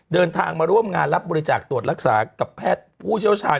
เดินทางมาร่วมงานรับบริจาคตรวจรักษากับแพทย์ผู้เชี่ยวชาญ